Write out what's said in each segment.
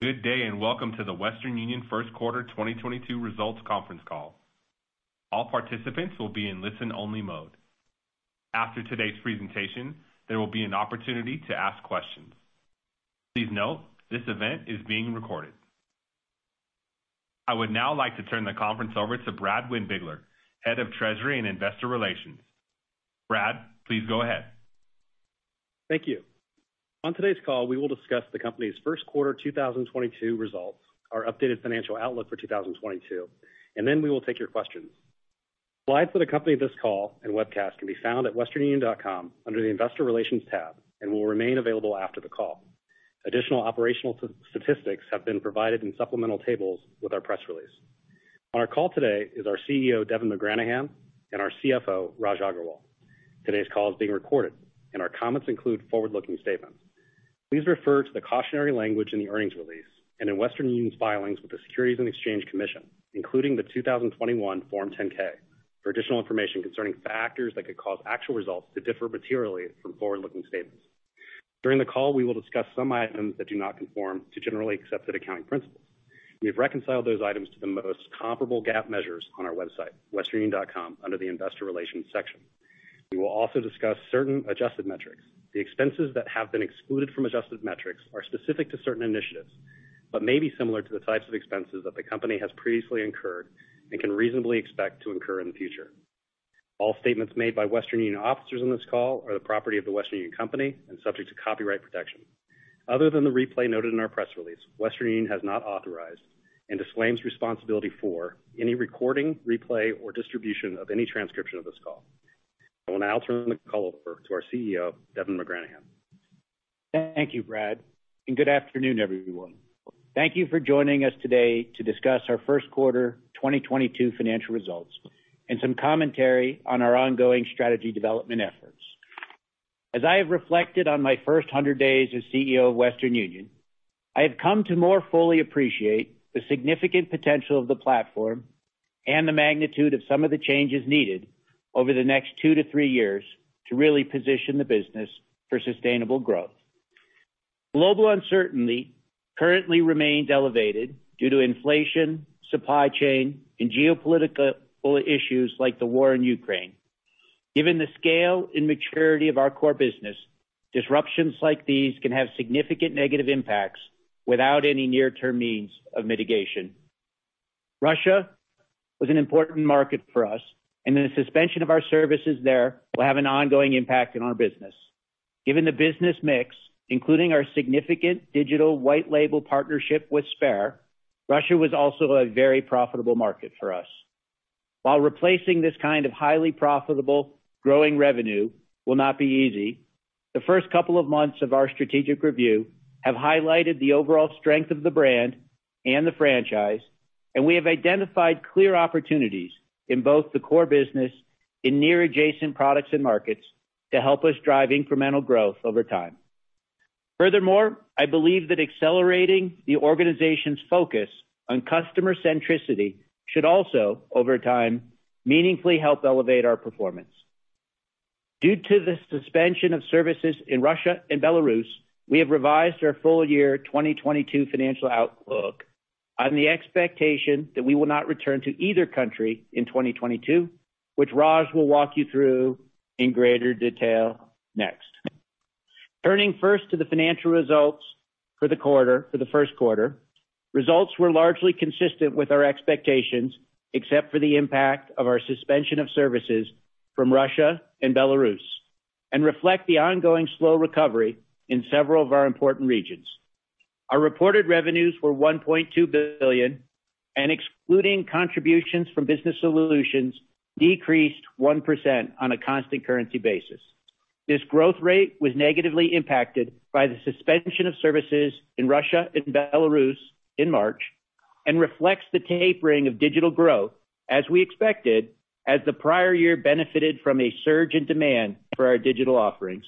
Good day, and welcome to the Western Union first quarter 2022 results conference call. All participants will be in listen-only mode. After today's presentation, there will be an opportunity to ask questions. Please note this event is being recorded. I would now like to turn the conference over to Brad Windbigler, Head of Treasury and Investor Relations. Brad, please go ahead. Thank you. On today's call, we will discuss the company's first quarter 2022 results, our updated financial outlook for 2022, and then we will take your questions. Slides for the company for this call and webcast can be found at westernunion.com under the Investor Relations tab and will remain available after the call. Additional operational statistics have been provided in supplemental tables with our press release. On our call today is our CEO, Devin McGranahan, and our CFO, Raj Agrawal. Today's call is being recorded, and our comments include forward-looking statements. Please refer to the cautionary language in the earnings release and in Western Union's filings with the Securities and Exchange Commission, including the 2021 Form 10-K for additional information concerning factors that could cause actual results to differ materially from forward-looking statements. During the call, we will discuss some items that do not conform to generally accepted accounting principles. We have reconciled those items to the most comparable GAAP measures on our website, westernunion.com, under the Investor Relations section. We will also discuss certain adjusted metrics. The expenses that have been excluded from adjusted metrics are specific to certain initiatives, but may be similar to the types of expenses that the company has previously incurred and can reasonably expect to incur in the future. All statements made by Western Union officers on this call are the property of the Western Union Company and subject to copyright protection. Other than the replay noted in our press release, Western Union has not authorized and disclaims responsibility for any recording, replay, or distribution of any transcription of this call. I will now turn the call over to our CEO, Devin McGranahan. Thank you, Brad, and good afternoon, everyone. Thank you for joining us today to discuss our first quarter 2022 financial results and some commentary on our ongoing strategy development efforts. As I have reflected on my first 100 days as CEO of Western Union, I have come to more fully appreciate the significant potential of the platform and the magnitude of some of the changes needed over the next two-three years to really position the business for sustainable growth. Global uncertainty currently remains elevated due to inflation, supply chain, and geopolitical issues like the war in Ukraine. Given the scale and maturity of our core business, disruptions like these can have significant negative impacts without any near-term means of mitigation. Russia was an important market for us, and the suspension of our services there will have an ongoing impact in our business. Given the business mix, including our significant digital white label partnership with Sber, Russia was also a very profitable market for us. While replacing this kind of highly profitable growing revenue will not be easy, the first couple of months of our strategic review have highlighted the overall strength of the brand and the franchise, and we have identified clear opportunities in both the core business in near adjacent products and markets to help us drive incremental growth over time. Furthermore, I believe that accelerating the organization's focus on customer centricity should also, over time, meaningfully help elevate our performance. Due to the suspension of services in Russia and Belarus, we have revised our full-year 2022 financial outlook on the expectation that we will not return to either country in 2022, which Raj will walk you through in greater detail next. Turning first to the financial results for the quarter, for the first quarter, results were largely consistent with our expectations, except for the impact of our suspension of services from Russia and Belarus, and reflect the ongoing slow recovery in several of our important regions. Our reported revenues were $1.2 billion, and excluding contributions from Business Solutions, decreased 1% on a constant currency basis. This growth rate was negatively impacted by the suspension of services in Russia and Belarus in March and reflects the tapering of digital growth as we expected as the prior year benefited from a surge in demand for our digital offerings.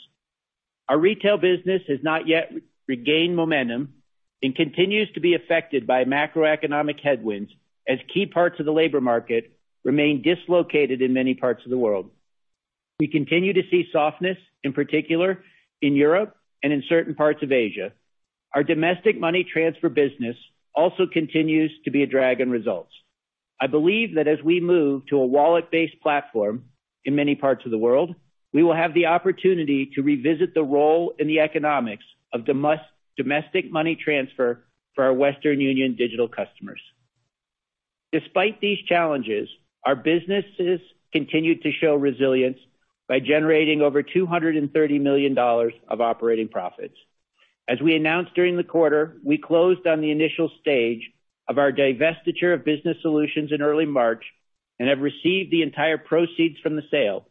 Our retail business has not yet regained momentum and continues to be affected by macroeconomic headwinds as key parts of the labor market remain dislocated in many parts of the world. We continue to see softness, in particular in Europe and in certain parts of Asia. Our domestic money transfer business also continues to be a drag in results. I believe that as we move to a wallet-based platform in many parts of the world, we will have the opportunity to revisit the role in the economics of domestic money transfer for our Western Union digital customers. Despite these challenges, our businesses continued to show resilience by generating over $230 million of operating profits. As we announced during the quarter, we closed on the initial stage of our divestiture of Business Solutions in early March and have received the entire proceeds from the sale,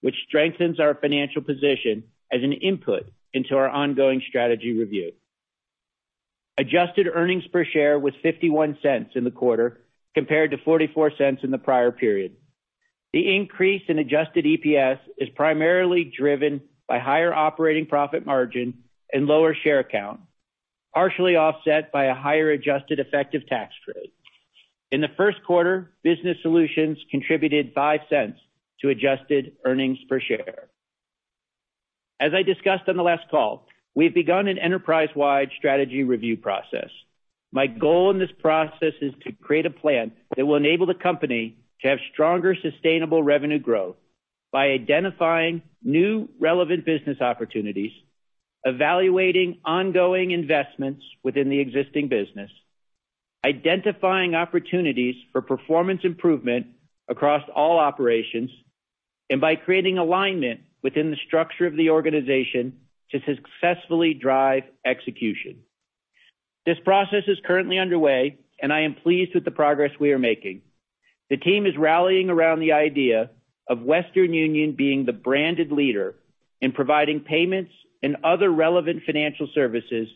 which strengthens our financial position as an input into our ongoing strategy review. Adjusted earnings per share was $0.51 in the quarter compared to $0.44 in the prior period. The increase in adjusted EPS is primarily driven by higher operating profit margin and lower share count, partially offset by a higher adjusted effective tax rate. In the first quarter, Business Solutions contributed $0.05 to adjusted earnings per share. As I discussed on the last call, we've begun an enterprise-wide strategy review process. My goal in this process is to create a plan that will enable the company to have stronger, sustainable revenue growth by identifying new relevant business opportunities, evaluating ongoing investments within the existing business, identifying opportunities for performance improvement across all operations, and by creating alignment within the structure of the organization to successfully drive execution. This process is currently underway, and I am pleased with the progress we are making. The team is rallying around the idea of Western Union being the branded leader in providing payments and other relevant financial services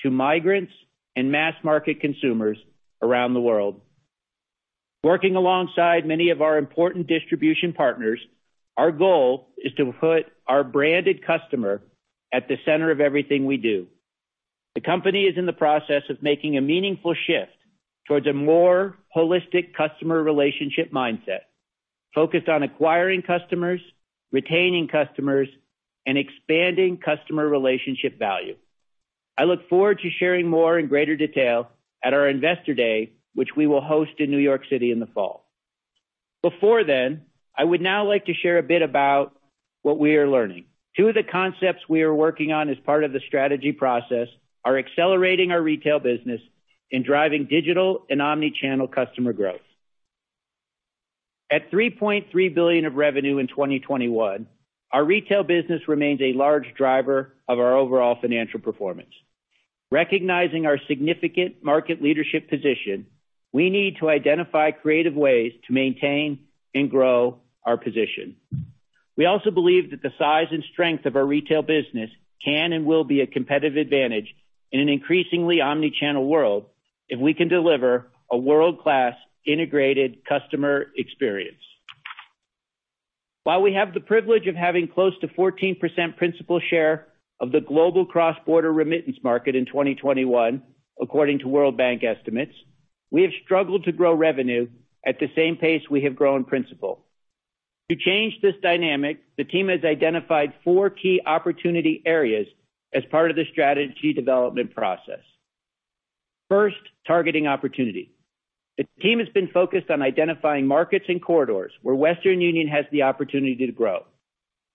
to migrants and mass-market consumers around the world. Working alongside many of our important distribution partners, our goal is to put our branded customer at the center of everything we do. The company is in the process of making a meaningful shift towards a more holistic customer relationship mindset focused on acquiring customers, retaining customers, and expanding customer relationship value. I look forward to sharing more in greater detail at our Investor Day, which we will host in New York City in the fall. Before then, I would now like to share a bit about what we are learning. Two of the concepts we are working on as part of the strategy process are accelerating our retail business and driving digital and omni-channel customer growth. At $3.3 billion of revenue in 2021, our retail business remains a large driver of our overall financial performance. Recognizing our significant market leadership position, we need to identify creative ways to maintain and grow our position. We also believe that the size and strength of our retail business can and will be a competitive advantage in an increasingly omni-channel world if we can deliver a world-class integrated customer experience. While we have the privilege of having close to 14% principal share of the global cross-border remittance market in 2021, according to World Bank estimates, we have struggled to grow revenue at the same pace we have grown principal. To change this dynamic, the team has identified four key opportunity areas as part of the strategy development process. First, targeting opportunity. The team has been focused on identifying markets and corridors where Western Union has the opportunity to grow.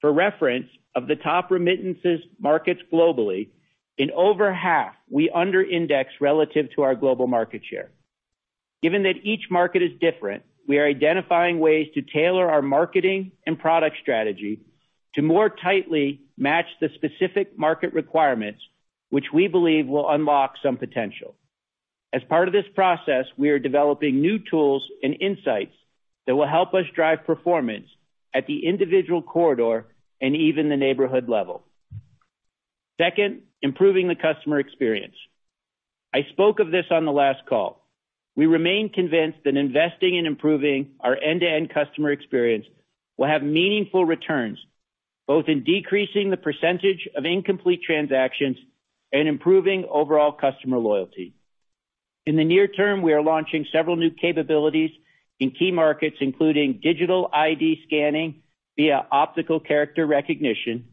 For reference, of the top remittances markets globally, in over half, we underindex relative to our global market share. Given that each market is different, we are identifying ways to tailor our marketing and product strategy to more tightly match the specific market requirements, which we believe will unlock some potential. As part of this process, we are developing new tools and insights that will help us drive performance at the individual corridor and even the neighborhood level. Second, improving the customer experience. I spoke of this on the last call. We remain convinced that investing in improving our end-to-end customer experience will have meaningful returns, both in decreasing the percentage of incomplete transactions and improving overall customer loyalty. In the near term, we are launching several new capabilities in key markets, including digital ID scanning via optical character recognition,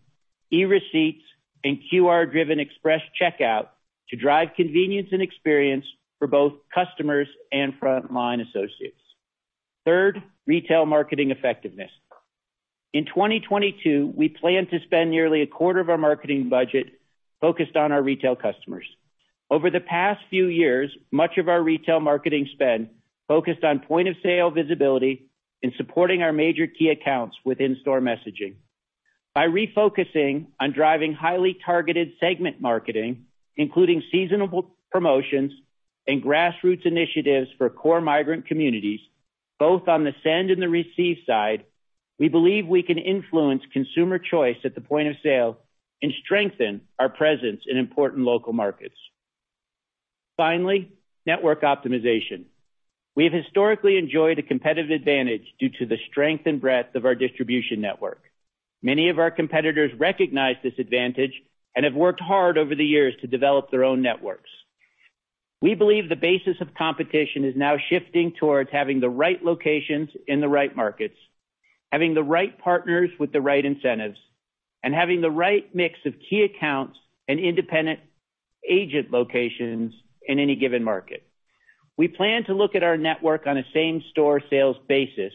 e-receipts, and QR-driven express checkout to drive convenience and experience for both customers and frontline associates. Third, retail marketing effectiveness. In 2022, we plan to spend nearly a quarter of our marketing budget focused on our retail customers. Over the past few years, much of our retail marketing spend focused on point-of-sale visibility and supporting our major key accounts with in-store messaging. By refocusing on driving highly targeted segment marketing, including seasonal promotions and grassroots initiatives for core migrant communities, both on the send and the receive side, we believe we can influence consumer choice at the point of sale and strengthen our presence in important local markets. Finally, network optimization. We have historically enjoyed a competitive advantage due to the strength and breadth of our distribution network. Many of our competitors recognize this advantage and have worked hard over the years to develop their own networks. We believe the basis of competition is now shifting towards having the right locations in the right markets, having the right partners with the right incentives, and having the right mix of key accounts and independent agent locations in any given market. We plan to look at our network on a same-store sales basis,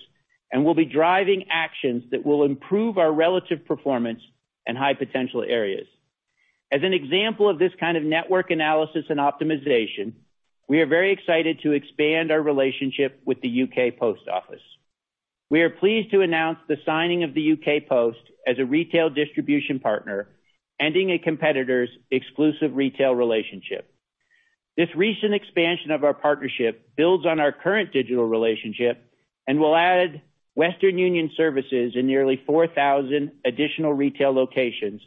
and we'll be driving actions that will improve our relative performance in high-potential areas. As an example of this kind of network analysis and optimization, we are very excited to expand our relationship with the UK Post Office. We are pleased to announce the signing of the UK Post Office as a retail distribution partner, ending a competitor's exclusive retail relationship. This recent expansion of our partnership builds on our current digital relationship and will add Western Union services in nearly 4,000 additional retail locations,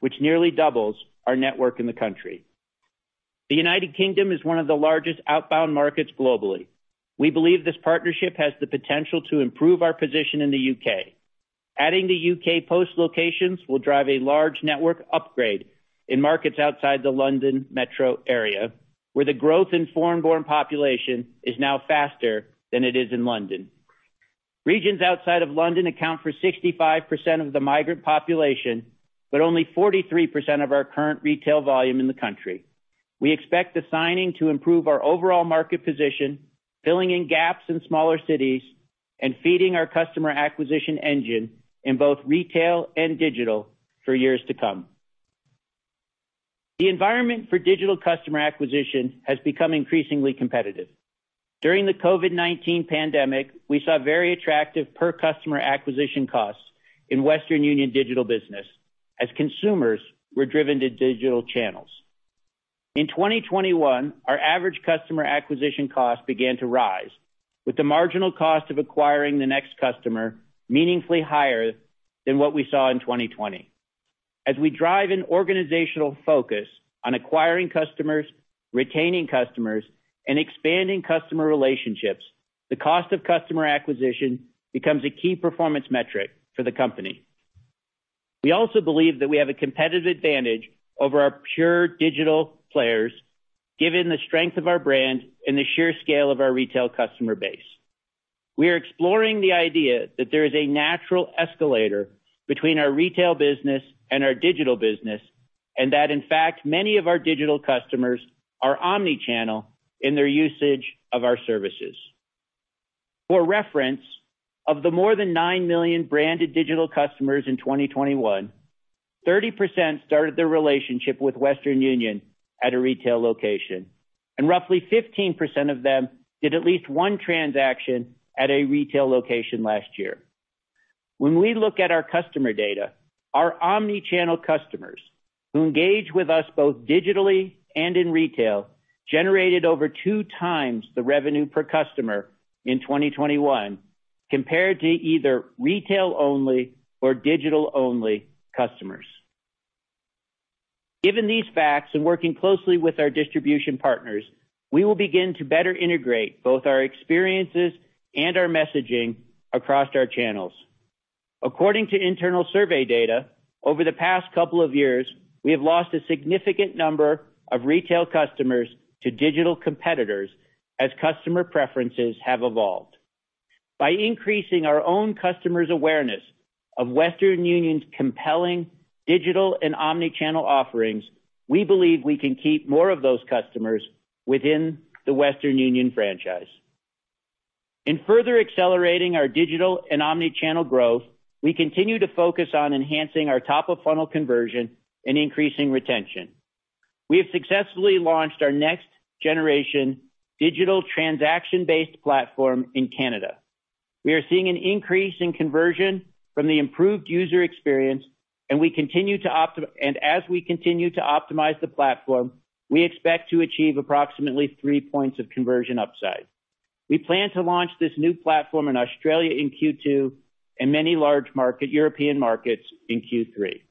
which nearly doubles our network in the country. The United Kingdom is one of the largest outbound markets globally. We believe this partnership has the potential to improve our position in the UK. Adding the UK Post Office locations will drive a large network upgrade in markets outside the London metro area, where the growth in foreign-born population is now faster than it is in London. Regions outside of London account for 65% of the migrant population, but only 43% of our current retail volume in the country. We expect the signing to improve our overall market position, filling in gaps in smaller cities and feeding our customer acquisition engine in both retail and digital for years to come. The environment for digital customer acquisition has become increasingly competitive. During the COVID-19 pandemic, we saw very attractive per customer acquisition costs in Western Union digital business as consumers were driven to digital channels. In 2021, our average customer acquisition cost began to rise, with the marginal cost of acquiring the next customer meaningfully higher than what we saw in 2020. As we drive an organizational focus on acquiring customers, retaining customers, and expanding customer relationships, the cost of customer acquisition becomes a key performance metric for the company. We also believe that we have a competitive advantage over our pure digital players given the strength of our brand and the sheer scale of our retail customer base. We are exploring the idea that there is a natural escalator between our retail business and our digital business, and that in fact many of our digital customers are omni-channel in their usage of our services. For reference, of the more than 9 million branded digital customers in 2021, 30% started their relationship with Western Union at a retail location, and roughly 15% of them did at least one transaction at a retail location last year. When we look at our customer data, our omni-channel customers who engage with us both digitally and in retail generated over 2x the revenue per customer in 2021 compared to either retail only or digital only customers. Given these facts and working closely with our distribution partners, we will begin to better integrate both our experiences and our messaging across our channels. According to internal survey data, over the past couple of years, we have lost a significant number of retail customers to digital competitors as customer preferences have evolved. By increasing our own customers' awareness of Western Union's compelling digital and omni-channel offerings, we believe we can keep more of those customers within the Western Union franchise. In further accelerating our digital and omni-channel growth, we continue to focus on enhancing our top of funnel conversion and increasing retention. We have successfully launched our next generation digital transaction-based platform in Canada. We are seeing an increase in conversion from the improved user experience and as we continue to optimize the platform, we expect to achieve approximately three points of conversion upside. We plan to launch this new platform in Australia in Q2 and many large European markets in Q3.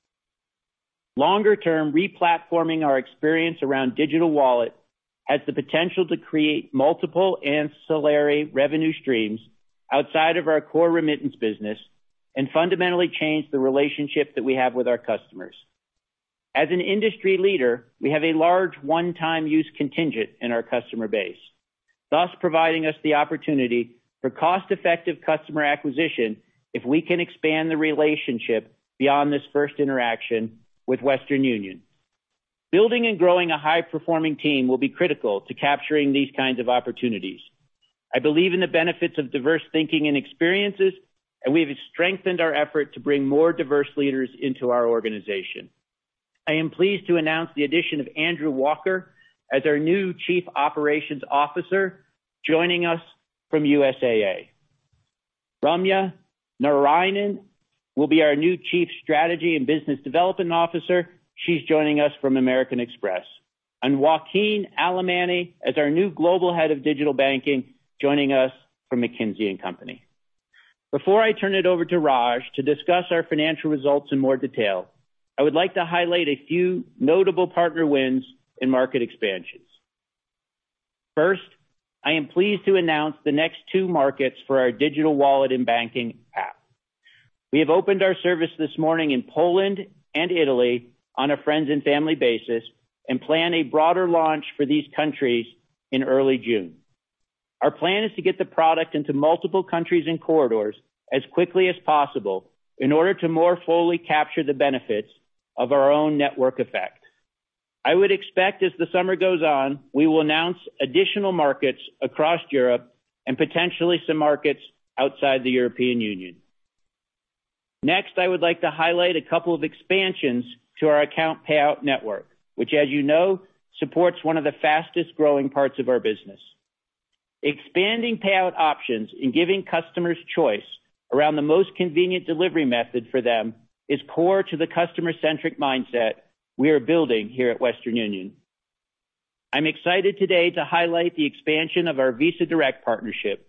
Longer-term re-platforming our experience around Digital Wallet has the potential to create multiple ancillary revenue streams outside of our core remittance business and fundamentally change the relationship that we have with our customers. As an industry leader, we have a large one-time use contingent in our customer base, thus providing us the opportunity for cost-effective customer acquisition if we can expand the relationship beyond this first interaction with Western Union. Building and growing a high-performing team will be critical to capturing these kinds of opportunities. I believe in the benefits of diverse thinking and experiences, and we have strengthened our effort to bring more diverse leaders into our organization. I am pleased to announce the addition of Andrew Walker as our new Chief Operations Officer, joining us from USAA. Ramya Narayanan will be our new Chief Strategy and Business Development Officer. She's joining us from American Express. Joaquin Alemany as our new Global Head of Digital Banking, joining us from McKinsey & Company. Before I turn it over to Raj to discuss our financial results in more detail, I would like to highlight a few notable partner wins in market expansions. First, I am pleased to announce the next two markets for our Digital Wallet and Banking app. We have opened our service this morning in Poland and Italy on a friends and family basis and plan a broader launch for these countries in early June. Our plan is to get the product into multiple countries and corridors as quickly as possible in order to more fully capture the benefits of our own network effect. I would expect as the summer goes on, we will announce additional markets across Europe and potentially some markets outside the European Union. Next, I would like to highlight a couple of expansions to our Account Payout network, which as you know, supports one of the fastest-growing parts of our business. Expanding payout options and giving customers choice around the most convenient delivery method for them is core to the customer-centric mindset we are building here at Western Union. I'm excited today to highlight the expansion of our Visa Direct partnership.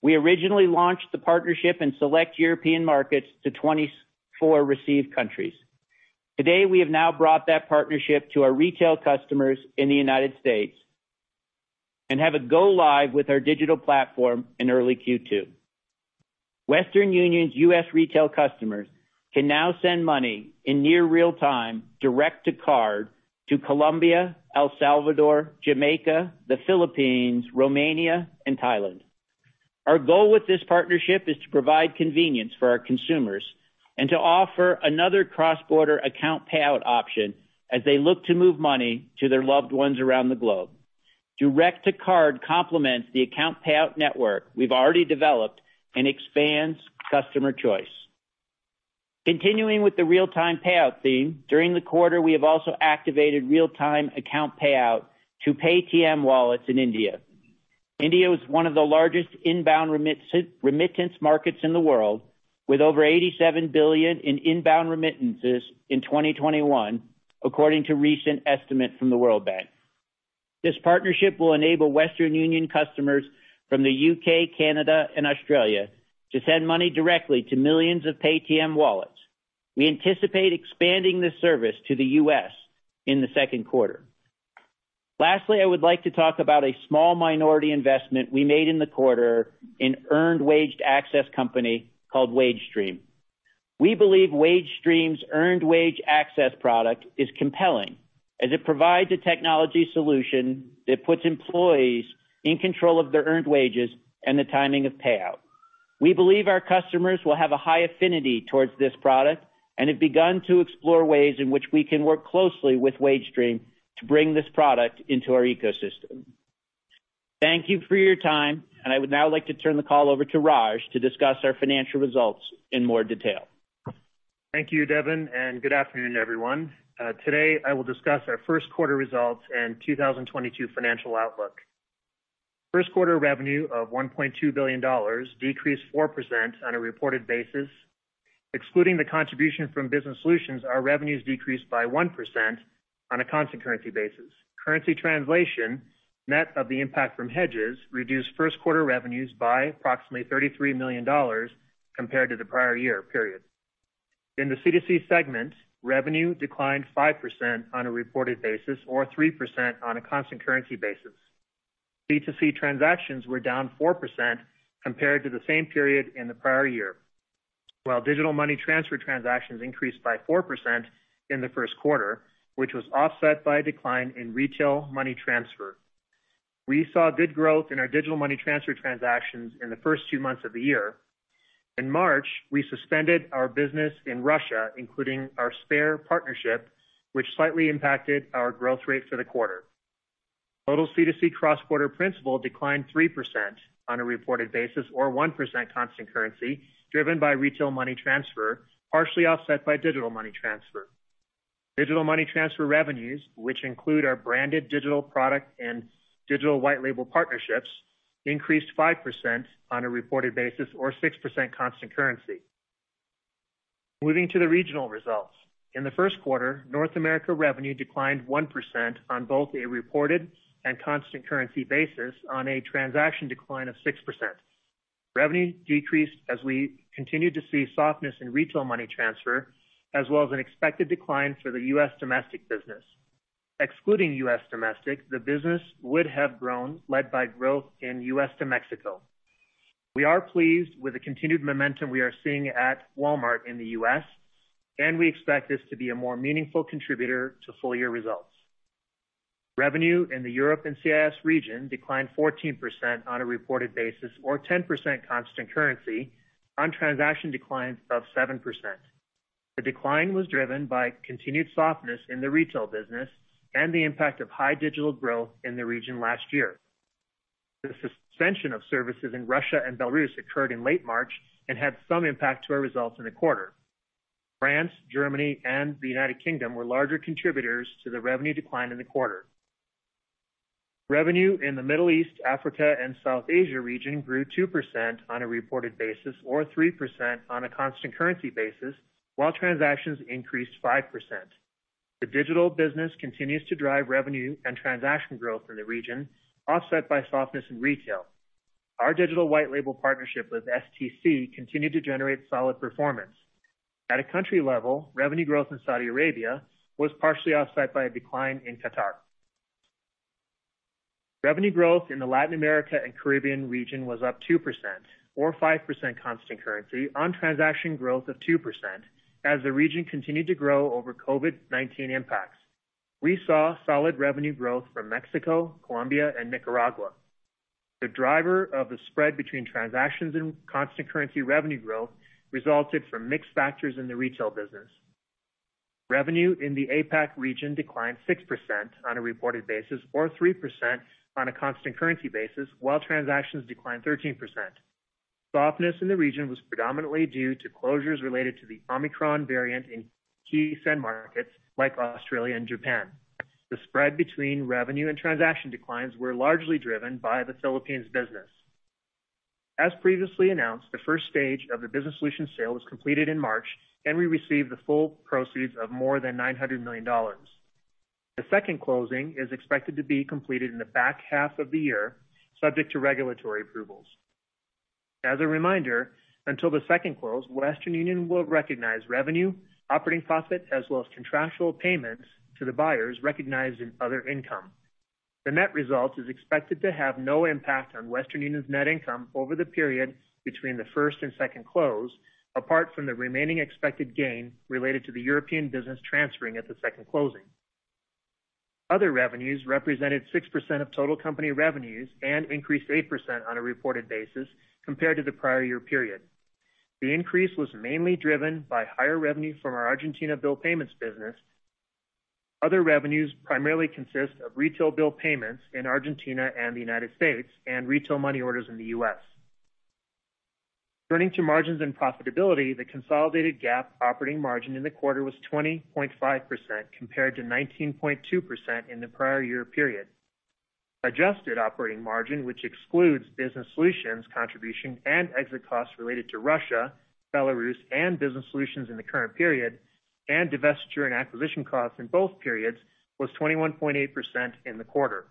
We originally launched the partnership in select European markets to 24 receive countries. Today, we have now brought that partnership to our retail customers in the United States and have it go live with our digital platform in early Q2. Western Union's US retail customers can now send money in near real-time direct to card to Colombia, El Salvador, Jamaica, the Philippines, Romania, and Thailand. Our goal with this partnership is to provide convenience for our consumers and to offer another cross-border account payout option as they look to move money to their loved ones around the globe. Direct to card complements the account payout network we've already developed and expands customer choice. Continuing with the real-time payout theme, during the quarter, we have also activated real-time account payout to Paytm wallets in India. India was one of the largest inbound remittance markets in the world, with over $87 billion in inbound remittances in 2021, according to recent estimates from the World Bank. This partnership will enable Western Union customers from the U.K., Canada, and Australia to send money directly to millions of Paytm wallets. We anticipate expanding this service to the U.S. in the second quarter. Lastly, I would like to talk about a small minority investment we made in the quarter, an earned wage access company called Wagestream. We believe Wagestream's earned wage access product is compelling as it provides a technology solution that puts employees in control of their earned wages and the timing of payout. We believe our customers will have a high affinity towards this product and have begun to explore ways in which we can work closely with Wagestream to bring this product into our ecosystem. Thank you for your time, and I would now like to turn the call over to Raj to discuss our financial results in more detail. Thank you, Devin, and good afternoon, everyone. Today, I will discuss our first quarter results and 2022 financial outlook. First quarter revenue of $1.2 billion decreased 4% on a reported basis. Excluding the contribution from Business Solutions, our revenues decreased by 1% on a constant currency basis. Currency translation, net of the impact from hedges, reduced first quarter revenues by approximately $33 million compared to the prior year period. In the C2C segment, revenue declined 5% on a reported basis or 3% on a constant currency basis. C2C transactions were down 4% compared to the same period in the prior year, while digital money transfer transactions increased by 4% in the first quarter, which was offset by a decline in retail money transfer. We saw good growth in our digital money transfer transactions in the first two months of the year. In March, we suspended our business in Russia, including our Sber partnership, which slightly impacted our growth rate for the quarter. Total C2C cross-border principal declined 3% on a reported basis or 1% constant currency, driven by retail money transfer, partially offset by digital money transfer. Digital money transfer revenues, which include our branded digital product and digital white label partnerships, increased 5% on a reported basis or 6% constant currency. Moving to the regional results. In the first quarter, North America revenue declined 1% on both a reported and constant currency basis on a transaction decline of 6%. Revenue decreased as we continued to see softness in retail money transfer, as well as an expected decline for the U.S. domestic business. Excluding U.S. domestic, the business would have grown, led by growth in U.S. to Mexico. We are pleased with the continued momentum we are seeing at Walmart in the U.S., and we expect this to be a more meaningful contributor to full-year results. Revenue in the Europe & CIS region declined 14% on a reported basis or 10% constant currency on transaction declines of 7%. The decline was driven by continued softness in the retail business and the impact of high digital growth in the region last year. The suspension of services in Russia and Belarus occurred in late March and had some impact to our results in the quarter. France, Germany, and the United Kingdom were larger contributors to the revenue decline in the quarter. Revenue in the Middle East, Africa, and South Asia region grew 2% on a reported basis or 3% on a constant currency basis, while transactions increased 5%. The digital business continues to drive revenue and transaction growth in the region, offset by softness in retail. Our digital white label partnership with STC continued to generate solid performance. At a country level, revenue growth in Saudi Arabia was partially offset by a decline in Qatar. Revenue growth in the Latin America and Caribbean region was up 2% or 5% constant currency on transaction growth of 2% as the region continued to grow over COVID-19 impacts. We saw solid revenue growth from Mexico, Colombia, and Nicaragua. The driver of the spread between transactions and constant currency revenue growth resulted from mixed factors in the retail business. Revenue in the APAC region declined 6% on a reported basis or 3% on a constant currency basis, while transactions declined 13%. Softness in the region was predominantly due to closures related to the Omicron variant in key send markets like Australia and Japan. The spread between revenue and transaction declines were largely driven by the Philippines business. As previously announced, the first stage of the Business Solutions sale was completed in March, and we received the full proceeds of more than $900 million. The second closing is expected to be completed in the back half of the year, subject to regulatory approvals. As a reminder, until the second close, Western Union will recognize revenue, operating profit, as well as contractual payments to the buyers recognized in other income. The net result is expected to have no impact on Western Union's net income over the period between the first and second close, apart from the remaining expected gain related to the European business transferring at the second closing. Other revenues represented 6% of total company revenues and increased 8% on a reported basis compared to the prior year period. The increase was mainly driven by higher revenue from our Argentina bill payments business. Other revenues primarily consist of retail bill payments in Argentina and the United States and retail money orders in the U.S. Turning to margins and profitability, the consolidated GAAP operating margin in the quarter was 20.5% compared to 19.2% in the prior year period. Adjusted operating margin, which excludes Business Solutions contribution and exit costs related to Russia, Belarus, and Business Solutions in the current period, and divestiture and acquisition costs in both periods, was 21.8% in the quarter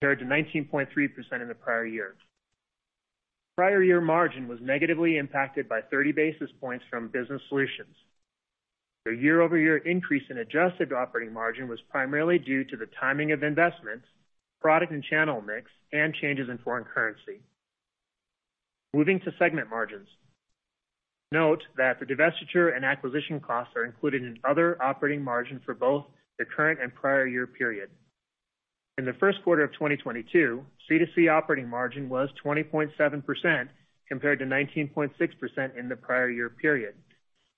compared to 19.3% in the prior year. Prior year margin was negatively impacted by 30 bps from Business Solutions. The year-over-year increase in adjusted operating margin was primarily due to the timing of investments, product and channel mix, and changes in foreign currency. Moving to segment margins. Note that the divestiture and acquisition costs are included in other operating margin for both the current and prior year period. In the first quarter of 2022, C2C operating margin was 20.7% compared to 19.6% in the prior year period.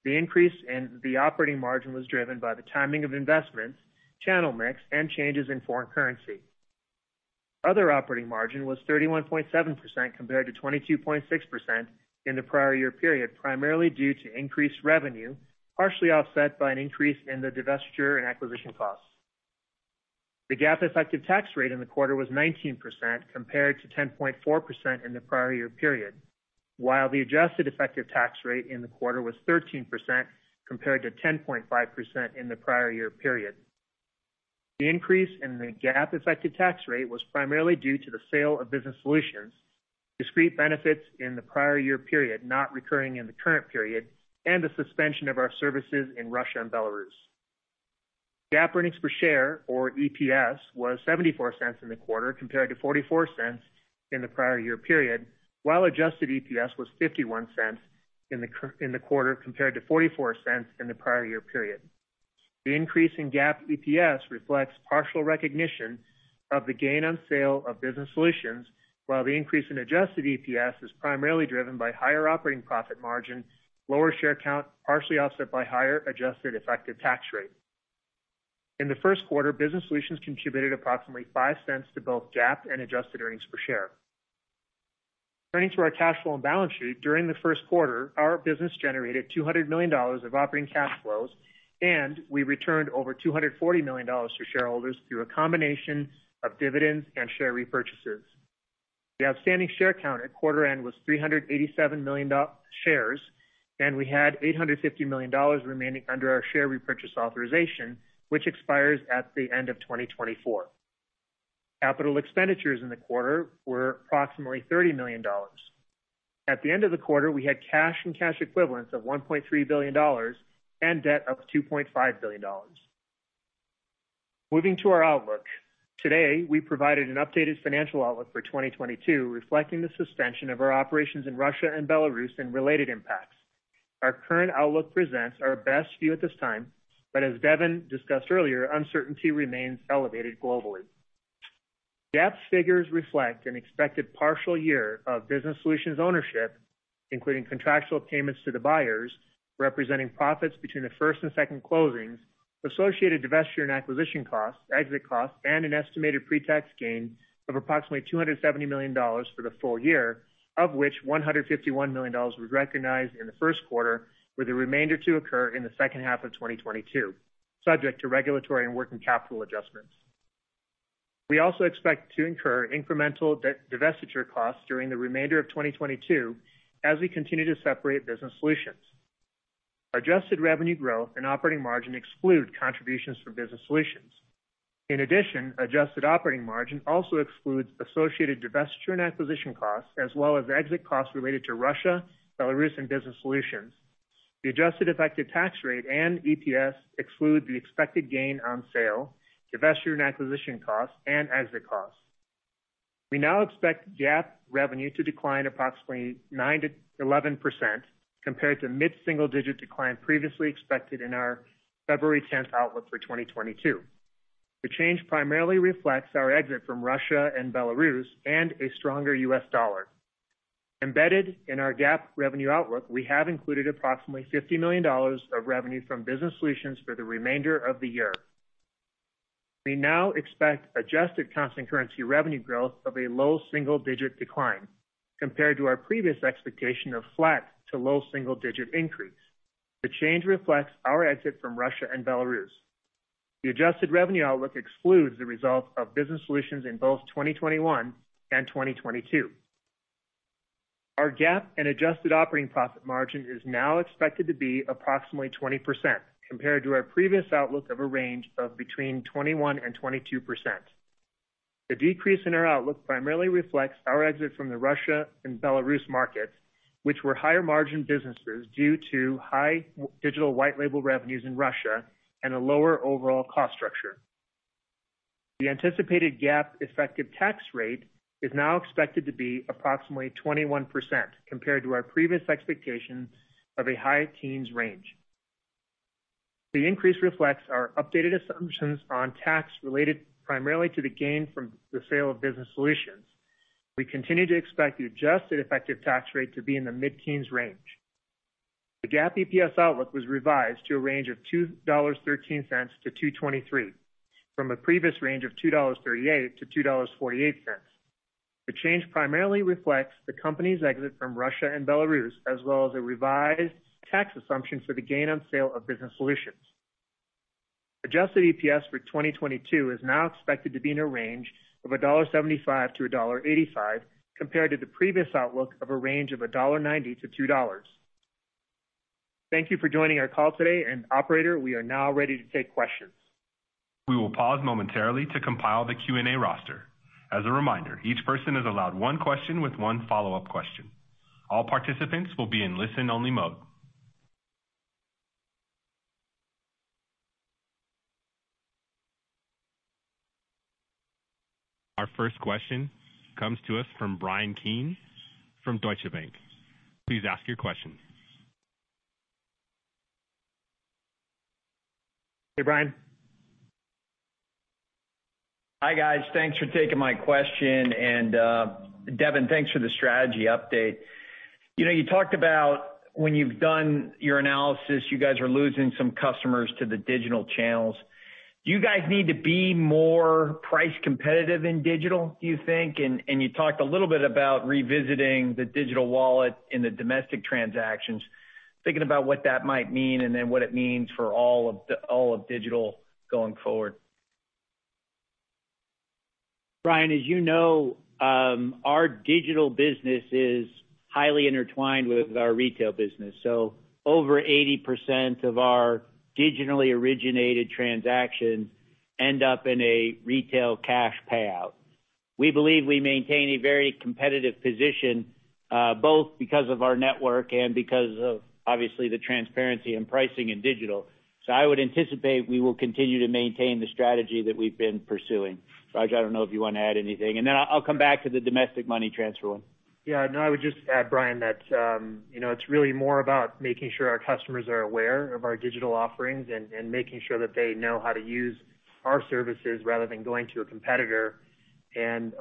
The increase in the operating margin was driven by the timing of investments, channel mix, and changes in foreign currency. Other operating margin was 31.7% compared to 22.6% in the prior year period, primarily due to increased revenue, partially offset by an increase in the divestiture and acquisition costs. The GAAP effective tax rate in the quarter was 19% compared to 10.4% in the prior year period, while the adjusted effective tax rate in the quarter was 13% compared to 10.5% in the prior year period. The increase in the GAAP effective tax rate was primarily due to the sale of Business Solutions, discrete benefits in the prior year period, not recurring in the current period, and the suspension of our services in Russia and Belarus. GAAP earnings per share, or EPS, was $0.74 in the quarter compared to $0.44 in the prior year period, while adjusted EPS was $0.51 in the quarter compared to $0.44 in the prior year period. The increase in GAAP EPS reflects partial recognition of the gain on sale of Business Solutions, while the increase in adjusted EPS is primarily driven by higher operating profit margin, lower share count, partially offset by higher adjusted effective tax rate. In the first quarter, Business Solutions contributed approximately $0.05 to both GAAP and adjusted earnings per share. Turning to our cash flow and balance sheet. During the first quarter, our business generated $200 million of operating cash flows, and we returned over $240 million to shareholders through a combination of dividends and share repurchases. The outstanding share count at quarter end was 387 million shares, and we had $850 million remaining under our share repurchase authorization, which expires at the end of 2024. Capital expenditures in the quarter were approximately $30 million. At the end of the quarter, we had cash and cash equivalents of $1.3 billion and debt of $2.5 billion. Moving to our outlook. Today, we provided an updated financial outlook for 2022 reflecting the suspension of our operations in Russia and Belarus and related impacts. Our current outlook presents our best view at this time, but as Devin discussed earlier, uncertainty remains elevated globally. GAAP figures reflect an expected partial year of Business Solutions ownership, including contractual payments to the buyers, representing profits between the first and second closings, associated divestiture and acquisition costs, exit costs, and an estimated pre-tax gain of approximately $270 million for the full-year, of which $151 million was recognized in the first quarter, with the remainder to occur in the second half of 2022, subject to regulatory and working capital adjustments. We also expect to incur incremental divestiture costs during the remainder of 2022 as we continue to separate Business Solutions. Adjusted revenue growth and operating margin exclude contributions from Business Solutions. In addition, adjusted operating margin also excludes associated divestiture and acquisition costs as well as exit costs related to Russia, Belarus, and Business Solutions. The adjusted effective tax rate and EPS exclude the expected gain on sale, divestiture and acquisition costs, and exit costs. We now expect GAAP revenue to decline approximately 9%-11% compared to mid-single-digit decline previously expected in our February 10th outlook for 2022. The change primarily reflects our exit from Russia and Belarus and a stronger U.S. dollar. Embedded in our GAAP revenue outlook, we have included approximately $50 million of revenue from Business Solutions for the remainder of the year. We now expect adjusted constant currency revenue growth of a low single-digit decline compared to our previous expectation of flat to low single-digit increase. The change reflects our exit from Russia and Belarus. The adjusted revenue outlook excludes the results of Business Solutions in both 2021 and 2022. Our GAAP and adjusted operating profit margin is now expected to be approximately 20% compared to our previous outlook of a range of between 21%-22%. The decrease in our outlook primarily reflects our exit from the Russia and Belarus markets, which were higher margin businesses due to high digital white label revenues in Russia and a lower overall cost structure. The anticipated GAAP effective tax rate is now expected to be approximately 21% compared to our previous expectations of a high teens range. The increase reflects our updated assumptions on tax related primarily to the gain from the sale of Business Solutions. We continue to expect the adjusted effective tax rate to be in the mid-teens range. The GAAP EPS outlook was revised to a range of $2.13-$2.23, from a previous range of $2.38-$2.48. The change primarily reflects the company's exit from Russia and Belarus, as well as a revised tax assumption for the gain on sale of Business Solutions. Adjusted EPS for 2022 is now expected to be in a range of $1.75-$1.85, compared to the previous outlook of a range of $1.90-$2.00. Thank you for joining our call today, and operator, we are now ready to take questions. We will pause momentarily to compile the Q&A roster. As a reminder, each person is allowed one question with one follow-up question. All participants will be in listen-only mode. Our first question comes to us from Bryan Keane from Deutsche Bank. Please ask your question. Hey, Bryan. Hi, guys. Thanks for taking my question. Devin, thanks for the strategy update. You know, you talked about when you've done your analysis, you guys are losing some customers to the digital channels. Do you guys need to be more price competitive in digital, do you think? You talked a little bit about revisiting the digital wallet in the domestic transactions. Thinking about what that might mean and then what it means for all of digital going forward. Bryan, as you know, our digital business is highly intertwined with our retail business. Over 80% of our digitally originated transactions end up in a retail cash payout. We believe we maintain a very competitive position, both because of our network and because of obviously the transparency in pricing in digital. I would anticipate we will continue to maintain the strategy that we've been pursuing. Raj, I don't know if you wanna add anything, and then I'll come back to the domestic money transfer one. Yeah. No, I would just add, Bryan, that you know, it's really more about making sure our customers are aware of our digital offerings and making sure that they know how to use our services rather than going to a competitor.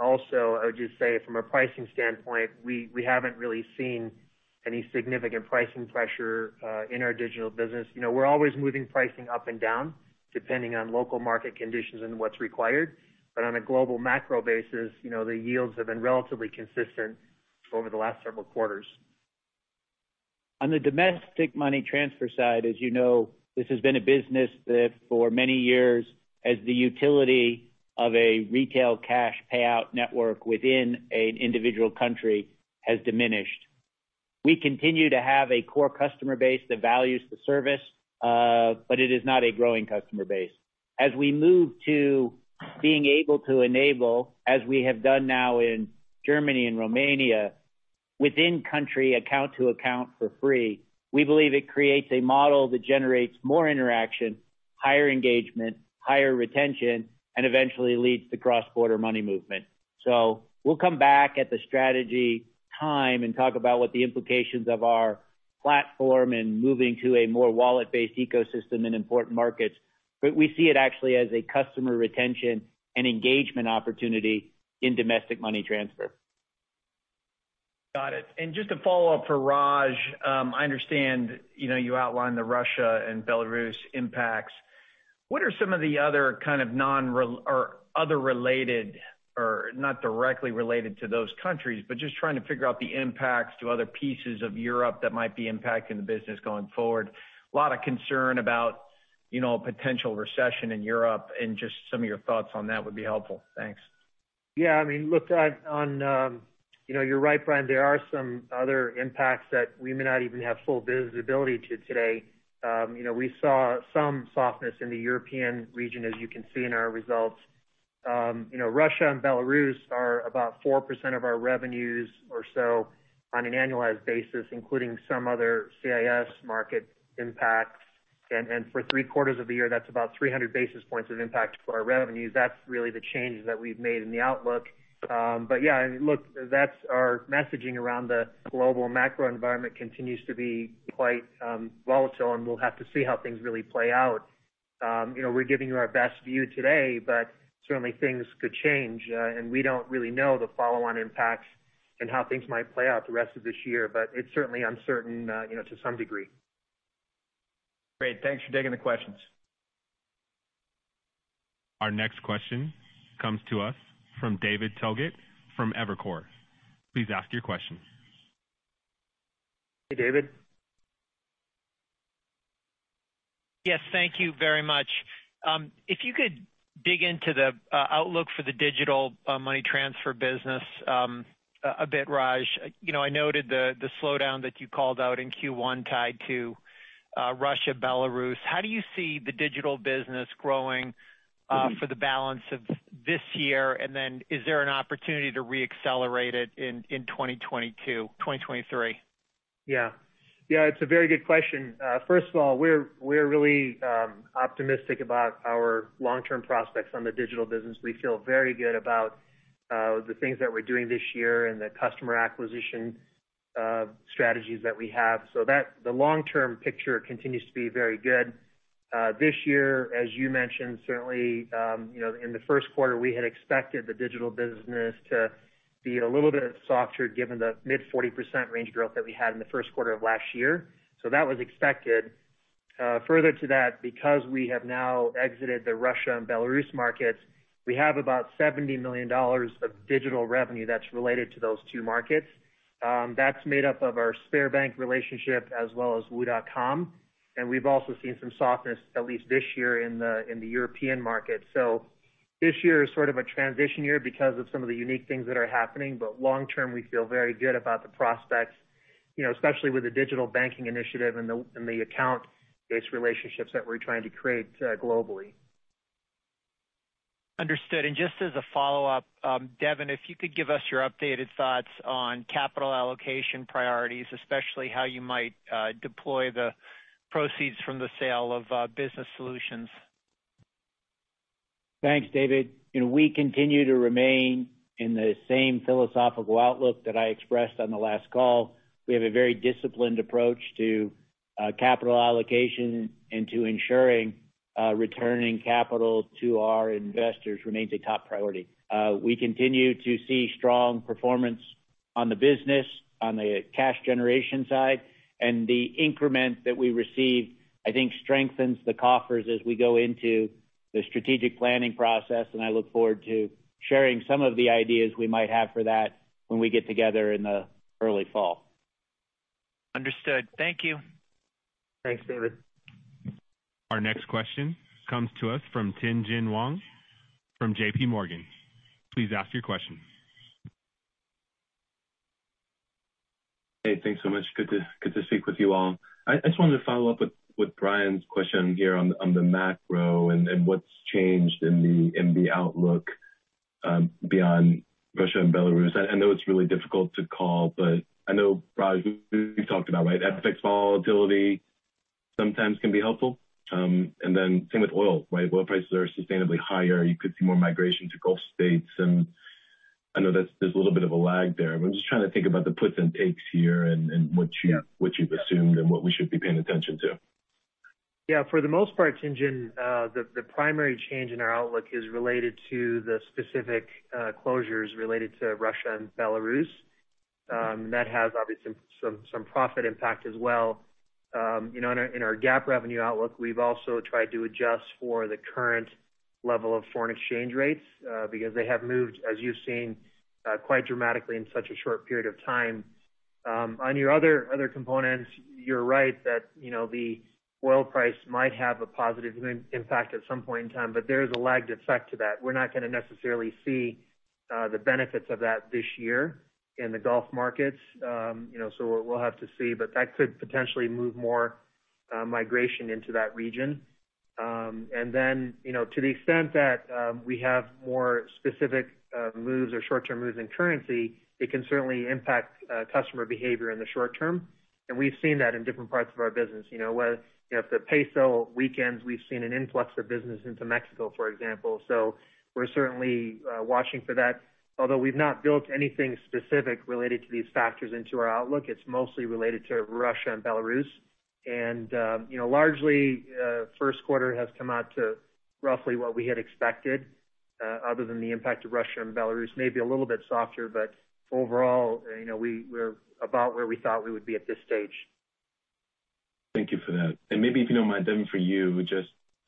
Also, I would just say from a pricing standpoint, we haven't really seen any significant pricing pressure in our digital business. You know, we're always moving pricing up and down depending on local market conditions and what's required. On a global macro basis, you know, the yields have been relatively consistent over the last several quarters. On the domestic money transfer side, as you know, this has been a business that for many years as the utility of a retail cash payout network within an individual country has diminished. We continue to have a core customer base that values the service, but it is not a growing customer base. As we move to being able to enable, as we have done now in Germany and Romania, within country account to account for free, we believe it creates a model that generates more interaction, higher engagement, higher retention, and eventually leads to cross-border money movement. We'll come back at the strategy time and talk about what the implications of our platform and moving to a more wallet-based ecosystem in important markets. We see it actually as a customer retention and engagement opportunity in domestic money transfer. Got it. Just a follow-up for Raj. I understand, you know, you outlined the Russia and Belarus impacts. What are some of the other kind of non-related or other related or not directly related to those countries, but just trying to figure out the impacts to other pieces of Europe that might be impacting the business going forward. Lot of concern about, you know, a potential recession in Europe and just some of your thoughts on that would be helpful. Thanks. Yeah, I mean, look, on, you know, you're right, Bryan, there are some other impacts that we may not even have full visibility to today. You know, we saw some softness in the European region, as you can see in our results. You know, Russia and Belarus are about 4% of our revenues or so on an annualized basis, including some other CIS market impacts. For three quarters of the year, that's about 30 bps of impact to our revenues. That's really the changes that we've made in the outlook. Yeah, I mean, look, that's our messaging around the global macro environment continues to be quite volatile, and we'll have to see how things really play out. You know, we're giving you our best view today, but certainly things could change, and we don't really know the follow-on impacts and how things might play out the rest of this year. It's certainly uncertain, you know, to some degree. Great. Thanks for taking the questions. Our next question comes to us from David Togut from Evercore. Please ask your question. Hey, David. Yes, thank you very much. If you could dig into the outlook for the digital money transfer business a bit, Raj. You know, I noted the slowdown that you called out in Q1 tied to Russia, Belarus. How do you see the digital business growing for the balance of this year, and then is there an opportunity to re-accelerate it in 2022, 2023? Yeah. It's a very good question. First of all, we're really optimistic about our long-term prospects on the digital business. We feel very good about the things that we're doing this year and the customer acquisition strategies that we have. The long-term picture continues to be very good. This year, as you mentioned, certainly, you know, in the first quarter, we had expected the digital business to be a little bit softer given the mid-40% range growth that we had in the first quarter of last year. That was expected. Further to that, because we have now exited the Russia and Belarus markets, we have about $70 million of digital revenue that's related to those two markets. That's made up of our Sberbank relationship as well as WU.com. We've also seen some softness, at least this year, in the European market. This year is sort of a transition year because of some of the unique things that are happening, but long-term, we feel very good about the prospects, you know, especially with the digital banking initiative and the account-based relationships that we're trying to create globally. Understood. Just as a follow-up, Devin, if you could give us your updated thoughts on capital allocation priorities, especially how you might deploy the proceeds from the sale of Business Solutions. Thanks, David. You know, we continue to remain in the same philosophical outlook that I expressed on the last call. We have a very disciplined approach to capital allocation and to ensuring returning capital to our investors remains a top priority. We continue to see strong performance on the business, on the cash generation side. The increment that we receive, I think, strengthens the coffers as we go into the strategic planning process. I look forward to sharing some of the ideas we might have for that when we get together in the early fall. Understood. Thank you. Thanks, David. Our next question comes to us from Tien-Tsin Huang from JP Morgan. Please ask your question. Hey, thanks so much. Good to speak with you all. I just wanted to follow up with Bryan's question here on the macro and what's changed in the outlook beyond Russia and Belarus. I know it's really difficult to call, but I know Raj, you talked about, right, FX volatility sometimes can be helpful. And then same with oil, right? Oil prices are sustainably higher. You could see more migration to Gulf states, and I know that's. There's a little bit of a lag there. But I'm just trying to think about the puts and takes here and what you- Yeah. What you've assumed and what we should be paying attention to. Yeah, for the most part, Tien-Tsin, the primary change in our outlook is related to the specific closures related to Russia and Belarus. That has obviously some profit impact as well. You know, in our GAAP revenue outlook, we've also tried to adjust for the current level of foreign exchange rates, because they have moved, as you've seen, quite dramatically in such a short period of time. On your other components, you're right that, you know, the oil price might have a positive impact at some point in time, but there is a lagged effect to that. We're not gonna necessarily see the benefits of that this year in the Gulf markets. You know, we'll have to see, but that could potentially move more migration into that region. You know, to the extent that we have more specific moves or short-term moves in currency, it can certainly impact customer behavior in the short -term. We've seen that in different parts of our business. You know, whether you know, if the peso weakens, we've seen an influx of business into Mexico, for example. We're certainly watching for that. Although we've not built anything specific related to these factors into our outlook, it's mostly related to Russia and Belarus. You know, largely, first quarter has come out to roughly what we had expected, other than the impact of Russia and Belarus, maybe a little bit softer. Overall, you know, we're about where we thought we would be at this stage. Thank you for that. Maybe if you don't mind, Devin, for you.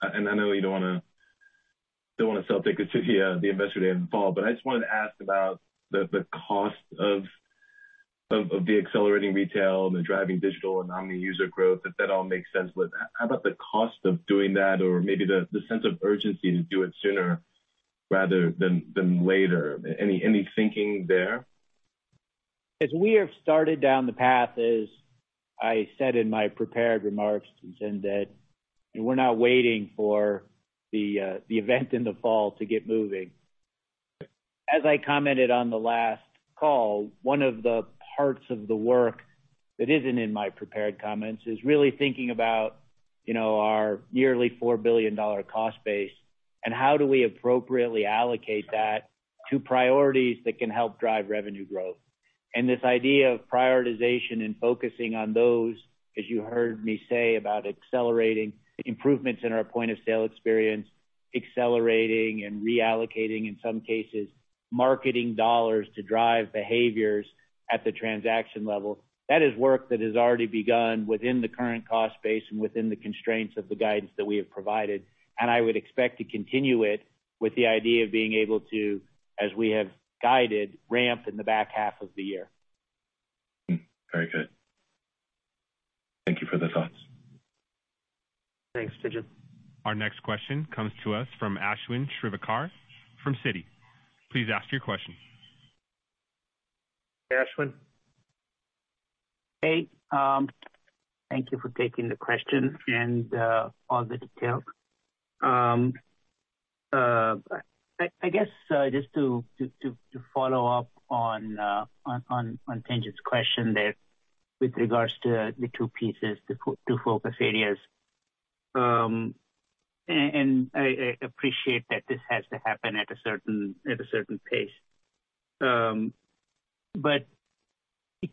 I know you don't wanna sell tickets to the Investor Day in the fall, but I just wanted to ask about the cost of the accelerating retail, the driving digital and omni user growth, if that all makes sense. How about the cost of doing that or maybe the sense of urgency to do it sooner rather than later? Any thinking there? As we have started down the path, as I said in my prepared remarks, Tien-Tsin, that we're not waiting for the event in the fall to get moving. As I commented on the last call, one of the parts of the work that isn't in my prepared comments is really thinking about, you know, our yearly $4 billion cost base and how do we appropriately allocate that to priorities that can help drive revenue growth. This idea of prioritization and focusing on those, as you heard me say about accelerating improvements in our point of sale experience, accelerating and reallocating, in some cases, marketing dollars to drive behaviors at the transaction level, that is work that has already begun within the current cost base and within the constraints of the guidance that we have provided. I would expect to continue it with the idea of being able to, as we have guided, ramp in the back half of the year. Very good. Thank you for the thoughts. Thanks, Tien-Tsin. Our next question comes to us from Ashwin Shirvaikar from Citi. Please ask your question. Ashwin? Hey, thank you for taking the question and all the details. I guess just to follow up on Tien-Tsin Huang's question there with regards to the two pieces, the two focus areas. I appreciate that this has to happen at a certain pace.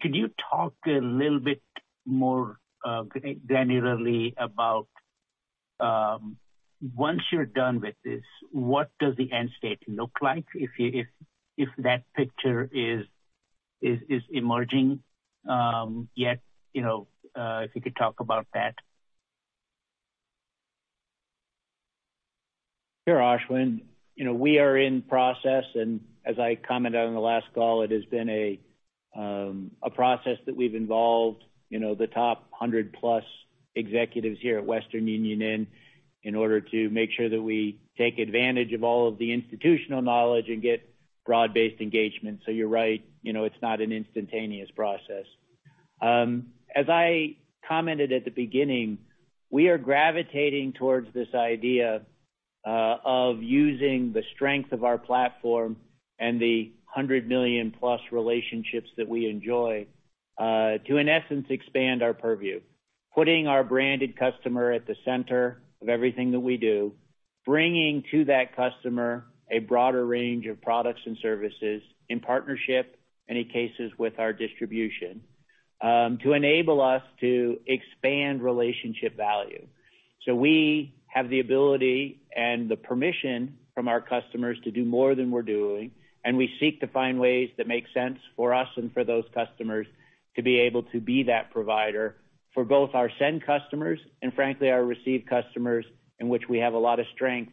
Could you talk a little bit more generally about once you're done with this, what does the end state look like if that picture is emerging yet, you know, if you could talk about that. Sure, Ashwin. You know, we are in process, and as I commented on the last call, it has been a process that we've involved, you know, the top 100+ executives here at Western Union in order to make sure that we take advantage of all of the institutional knowledge and get broad-based engagement. You're right, you know, it's not an instantaneous process. As I commented at the beginning, we are gravitating towards this idea of using the strength of our platform and the 100 million+ relationships that we enjoy to, in essence, expand our purview. Putting our branded customer at the center of everything that we do, bringing to that customer a broader range of products and services in partnership, any cases with our distribution to enable us to expand relationship value. We have the ability and the permission from our customers to do more than we're doing, and we seek to find ways that make sense for us and for those customers to be able to be that provider for both our send customers and frankly, our receive customers, in which we have a lot of strength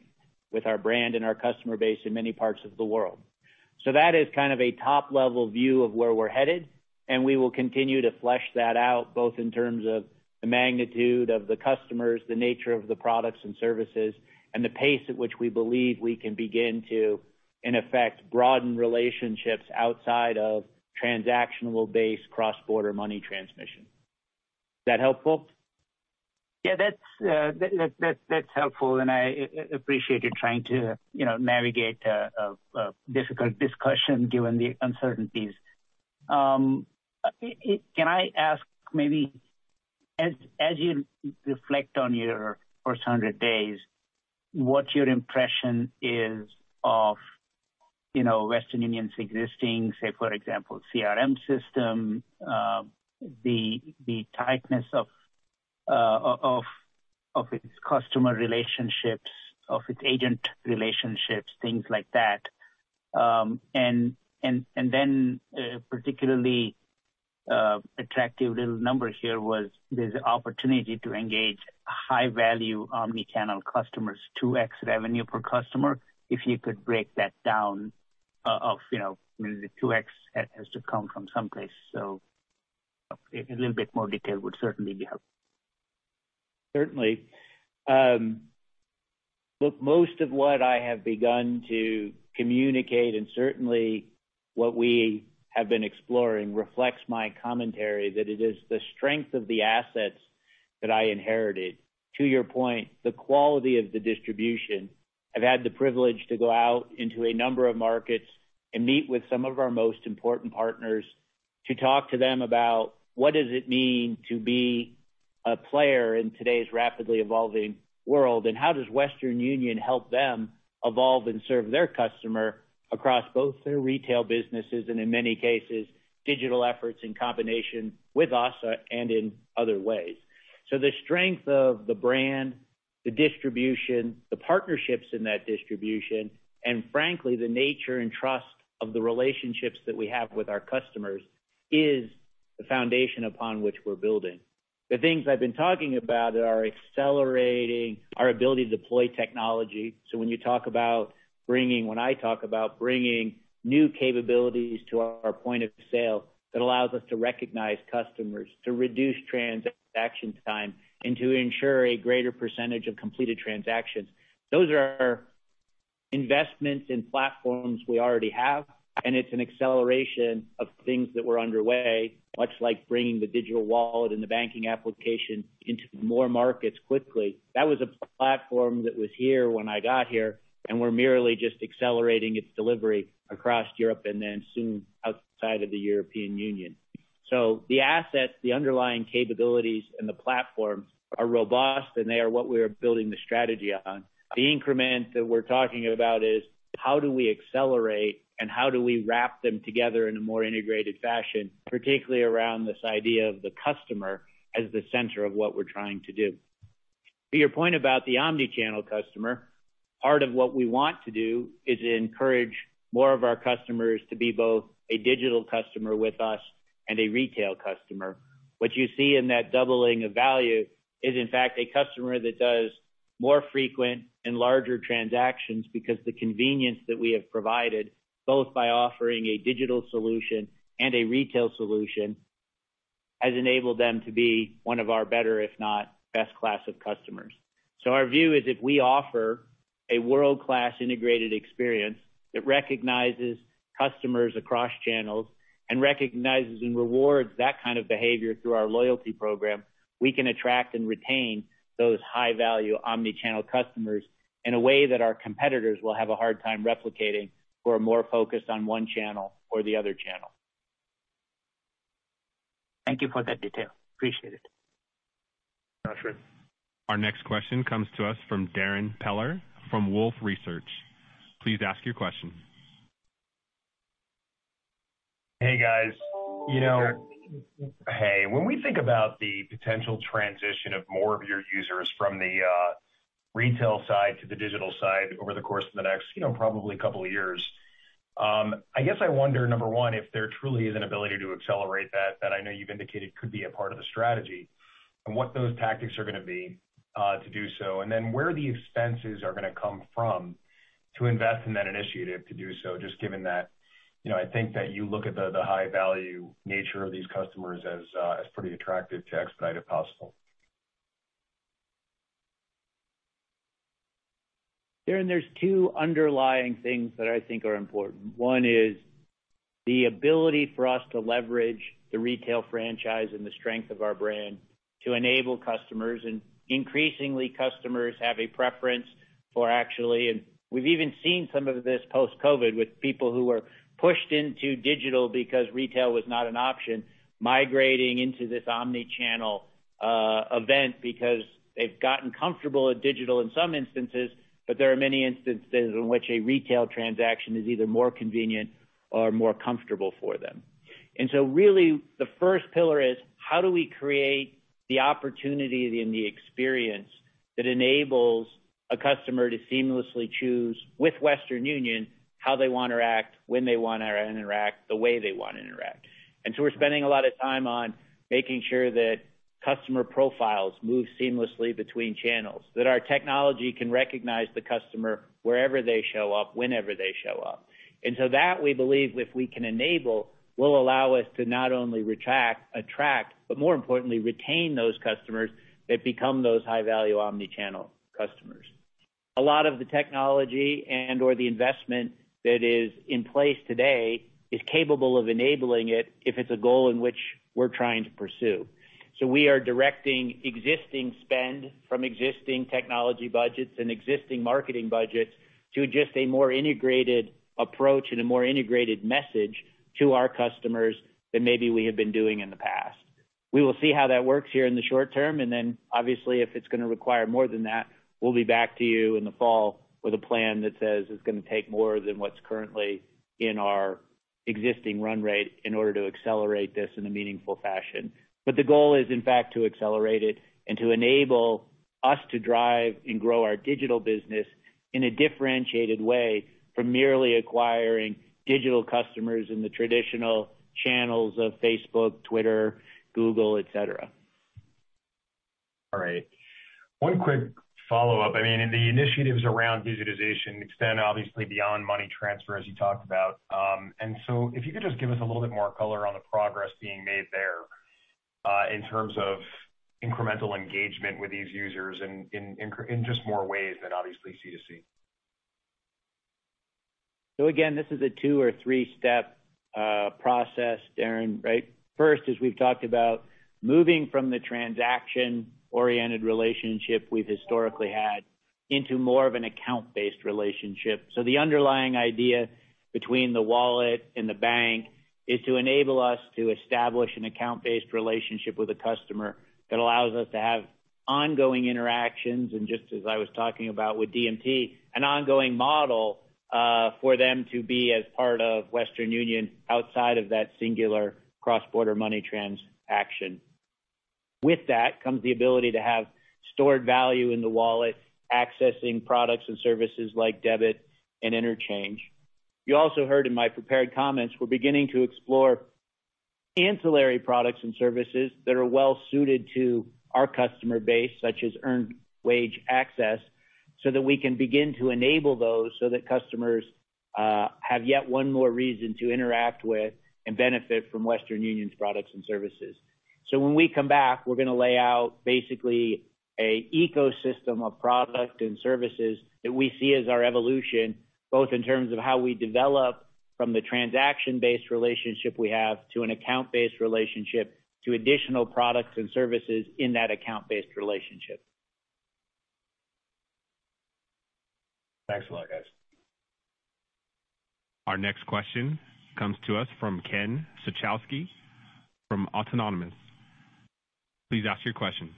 with our brand and our customer base in many parts of the world. That is kind of a top-level view of where we're headed, and we will continue to flesh that out, both in terms of the magnitude of the customers, the nature of the products and services, and the pace at which we believe we can begin to in effect broaden relationships outside of transactional base cross-border money transmission. Is that helpful? Yeah, that's helpful, and I appreciate you trying to, you know, navigate a difficult discussion given the uncertainties. Can I ask maybe as you reflect on your first 100 days, what your impression is of, you know, Western Union's existing, say, for example, CRM system, the tightness of its customer relationships, of its agent relationships, things like that. Then, particularly, attractive little number here was there's opportunity to engage high-value omni-channel customers, 2x revenue per customer. If you could break that down of, you know, the 2x has to come from someplace. A little bit more detail would certainly be helpful. Certainly. Look, most of what I have begun to communicate, and certainly what we have been exploring reflects my commentary that it is the strength of the assets that I inherited. To your point, the quality of the distribution. I've had the privilege to go out into a number of markets and meet with some of our most important partners to talk to them about what does it mean to be a player in today's rapidly evolving world, and how does Western Union help them evolve and serve their customer across both their retail businesses and in many cases, digital efforts in combination with us, and in other ways. The strength of the brand, the distribution, the partnerships in that distribution, and frankly, the nature and trust of the relationships that we have with our customers is the foundation upon which we're building. The things I've been talking about are accelerating our ability to deploy technology. When I talk about bringing new capabilities to our point of sale that allows us to recognize customers, to reduce transaction time, and to ensure a greater percentage of completed transactions, those are investments in platforms we already have. It's an acceleration of things that were underway, much like bringing the digital wallet and the banking application into more markets quickly. That was a platform that was here when I got here, and we're merely just accelerating its delivery across Europe and then soon outside of the European Union. The assets, the underlying capabilities and the platforms are robust, and they are what we are building the strategy on. The increment that we're talking about is how do we accelerate and how do we wrap them together in a more integrated fashion, particularly around this idea of the customer as the center of what we're trying to do. To your point about the omni-channel customer, part of what we want to do is encourage more of our customers to be both a digital customer with us and a retail customer. What you see in that doubling of value is, in fact, a customer that does more frequent and larger transactions because the convenience that we have provided, both by offering a digital solution and a retail solution has enabled them to be one of our better, if not best class of customers. Our view is if we offer a world-class integrated experience that recognizes customers across channels and recognizes and rewards that kind of behavior through our loyalty program, we can attract and retain those high-value omni-channel customers in a way that our competitors will have a hard time replicating who are more focused on one channel or the other channel. Thank you for that detail. Appreciate it. Got you. Our next question comes to us from Darrin Peller from Wolfe Research. Please ask your question. Hey, guys. You know. Hey, Darrin. Hey. When we think about the potential transition of more of your users from the retail side to the digital side over the course of the next, you know, probably couple of years, I guess I wonder, number one, if there truly is an ability to accelerate that I know you've indicated could be a part of the strategy, and what those tactics are gonna be to do so. Then where the expenses are gonna come from to invest in that initiative to do so, just given that, you know, I think that you look at the high value nature of these customers as pretty attractive to expedite, if possible. Darrin, there's two underlying things that I think are important. One is the ability for us to leverage the retail franchise and the strength of our brand to enable customers. Increasingly customers have a preference. We've even seen some of this post-COVID with people who were pushed into digital because retail was not an option, migrating into this omni-channel environment because they've gotten comfortable with digital in some instances, but there are many instances in which a retail transaction is either more convenient or more comfortable for them. Really the first pillar is how do we create the opportunity and the experience that enables a customer to seamlessly choose with Western Union how they wanna interact, when they wanna interact, the way they wanna interact. We're spending a lot of time on making sure that customer profiles move seamlessly between channels, that our technology can recognize the customer wherever they show up, whenever they show up. That, we believe if we can enable, will allow us to not only attract, but more importantly, retain those customers that become those high-value omni-channel customers. A lot of the technology and/or the investment that is in place today is capable of enabling it if it's a goal in which we're trying to pursue. We are directing existing spend from existing technology budgets and existing marketing budgets to just a more integrated approach and a more integrated message to our customers than maybe we have been doing in the past. We will see how that works here in the short-term, and then obviously, if it's gonna require more than that, we'll be back to you in the fall with a plan that says it's gonna take more than what's currently in our existing run rate in order to accelerate this in a meaningful fashion. The goal is, in fact, to accelerate it and to enable us to drive and grow our digital business in a differentiated way from merely acquiring digital customers in the traditional channels of Facebook, Twitter, Google, et cetera. All right. One quick follow-up. I mean, the initiatives around digitization extend obviously beyond money transfer, as you talked about. If you could just give us a little bit more color on the progress being made there, in terms of incremental engagement with these users in just more ways than obviously C2C. Again, this is a two or three-step process, Darrin, right? First, as we've talked about, moving from the transaction-oriented relationship we've historically had into more of an account-based relationship. The underlying idea between the wallet and the bank is to enable us to establish an account-based relationship with a customer that allows us to have ongoing interactions, and just as I was talking about with DMT, an ongoing model for them to be as part of Western Union outside of that singular cross-border money transaction. With that comes the ability to have stored value in the wallet, accessing products and services like debit and interchange. You also heard in my prepared comments, we're beginning to explore ancillary products and services that are well suited to our customer base, such as earned wage access, so that we can begin to enable those so that customers have yet one more reason to interact with and benefit from Western Union's products and services. When we come back, we're gonna lay out basically an ecosystem of product and services that we see as our evolution, both in terms of how we develop from the transaction-based relationship we have to an account-based relationship to additional products and services in that account-based relationship. Thanks a lot, guys. Our next question comes to us from Ken Suchoski from Autonomous. Please ask your question.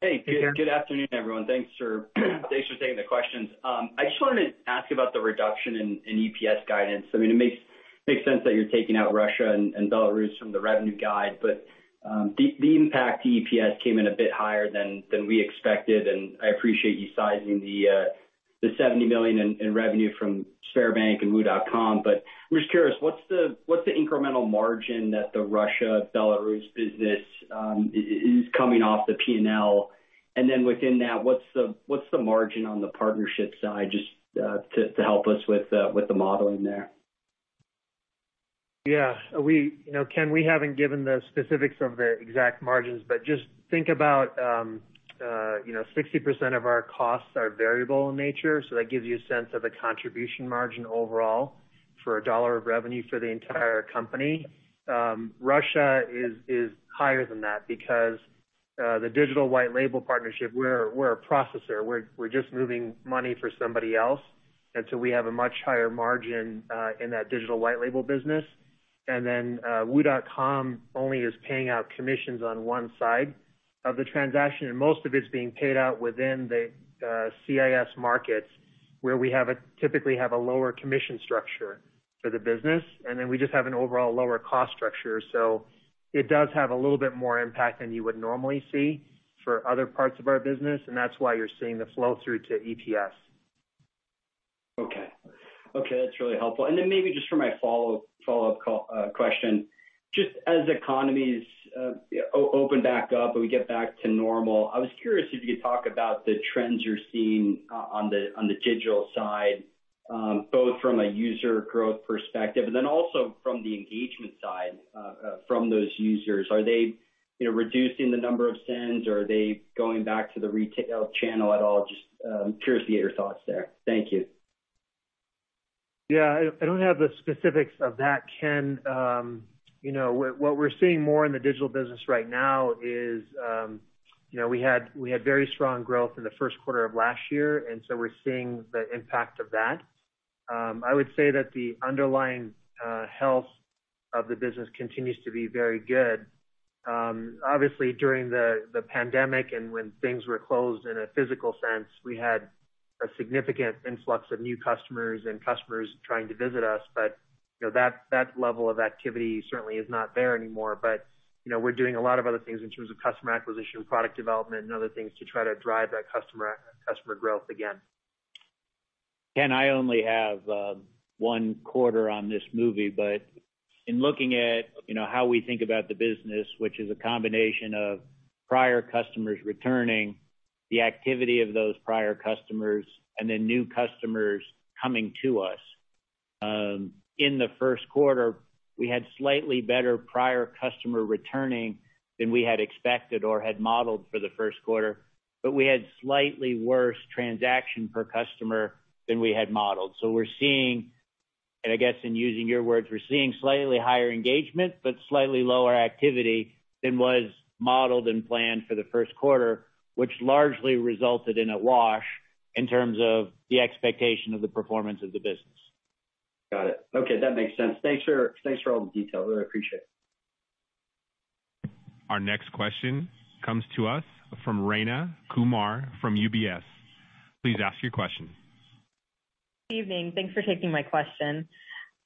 Hey. Hey, Ken. Good afternoon, everyone. Thanks for taking the questions. I just wanted to ask about the reduction in EPS guidance. I mean, it makes sense that you're taking out Russia and Belarus from the revenue guide, but the impact to EPS came in a bit higher than we expected, and I appreciate you sizing the $70 million in revenue from Sberbank and WU.com. But we're just curious, what's the incremental margin that the Russia/Belarus business is coming off the P&L? And then within that, what's the margin on the partnership side, just to help us with the modeling there? Yeah, you know, Ken, we haven't given the specifics of the exact margins. Just think about 60% of our costs are variable in nature, so that gives you a sense of the contribution margin overall for a dollar of revenue for the entire company. Russia is higher than that because the digital white label partnership, we're just moving money for somebody else, and so we have a much higher margin in that digital white label business. WU.com only is paying out commissions on one side of the transaction, and most of it's being paid out within the CIS markets, where we typically have a lower commission structure for the business. We just have an overall lower cost structure. It does have a little bit more impact than you would normally see for other parts of our business, and that's why you're seeing the flow through to ETFs. Okay. Okay, that's really helpful. Maybe just for my follow-up question. Just as economies open back up and we get back to normal, I was curious if you could talk about the trends you're seeing on the digital side, both from a user growth perspective and then also from the engagement side, from those users. Are they, you know, reducing the number of sends or are they going back to the retail channel at all? Just curious to get your thoughts there. Thank you. Yeah. I don't have the specifics of that, Ken. You know, what we're seeing more in the digital business right now is, you know, we had very strong growth in the first quarter of last year, and so we're seeing the impact of that. I would say that the underlying health of the business continues to be very good. Obviously, during the pandemic and when things were closed in a physical sense, we had a significant influx of new customers and customers trying to visit us. You know, that level of activity certainly is not there anymore. You know, we're doing a lot of other things in terms of customer acquisition, product development, and other things to try to drive that customer growth again. Ken, I only have one quarter on this model, but in looking at, you know, how we think about the business, which is a combination of prior customers returning, the activity of those prior customers and then new customers coming to us, in the first quarter, we had slightly better prior customer returning than we had expected or had modeled for the first quarter, but we had slightly worse transactions per customer than we had modeled. We're seeing, and I guess in using your words, we're seeing slightly higher engagement, but slightly lower activity than was modeled and planned for the first quarter, which largely resulted in a wash in terms of the expectation of the performance of the business. Got it. Okay, that makes sense. Thanks for all the detail. I appreciate it. Our next question comes to us from Rayna Kumar from UBS. Please ask your question. Evening. Thanks for taking my question.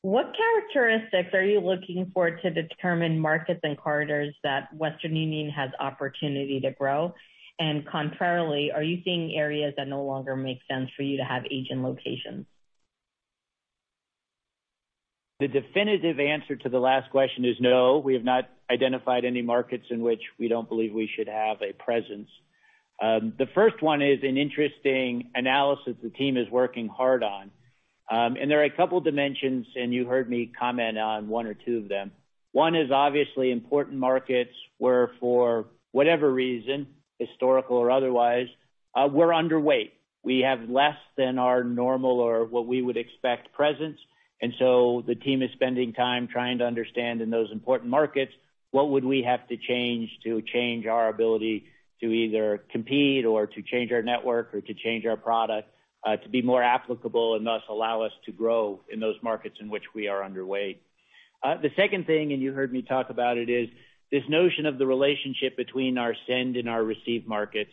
What characteristics are you looking for to determine markets and corridors that Western Union has opportunity to grow? Contrarily, are you seeing areas that no longer make sense for you to have agent locations? The definitive answer to the last question is no. We have not identified any markets in which we don't believe we should have a presence. The first one is an interesting analysis the team is working hard on. There are a couple dimensions, and you heard me comment on one or two of them. One is obviously important markets where for whatever reason, historical or otherwise, we're underweight. We have less than our normal or what we would expect presence. The team is spending time trying to understand in those important markets, what would we have to change to change our ability to either compete or to change our network or to change our product, to be more applicable and thus allow us to grow in those markets in which we are underweight. The second thing, and you heard me talk about it, is this notion of the relationship between our send and our receive markets.